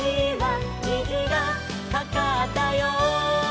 「にじがかかったよ」